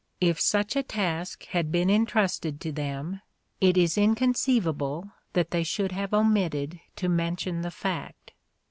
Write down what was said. If such a task had been entrusted to them it is inconceivable that they should have omitted to mention the fact.